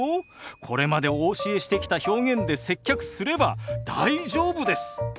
これまでお教えしてきた表現で接客すれば大丈夫です。